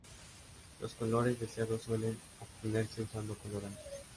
Los colores deseados suelen obtenerse usando colorantes.